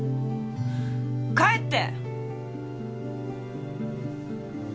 帰って！